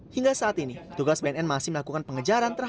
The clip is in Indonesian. hingga saat ini tugas bnn masih melakukan pengejaran